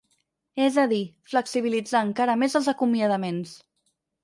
És a dir, flexibilitzar encara més els acomiadaments.